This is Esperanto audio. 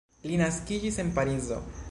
Li naskiĝis en Parizo.